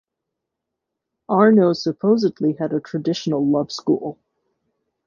Arno supposedly had a traditional "love school".